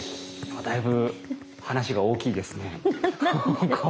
だいぶ話が大きいですね。